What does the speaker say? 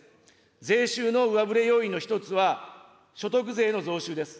税収の上振れ要因の１つは、所得税の増収です。